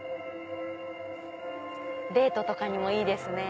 デートとかにもいいですね。